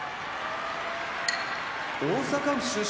大阪府出身